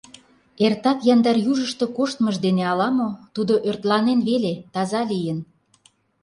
Эртак яндар южышто коштмыж дене ала-мо, тудо ӧртланен веле — таза лийын.